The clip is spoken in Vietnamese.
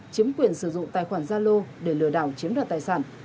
chiếm quyền sử dụng tài khoản zalo để lừa đảo chiếm đoạt tài sản